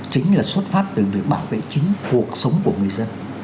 chính là xuất phát từ việc bảo vệ chính cuộc sống của người dân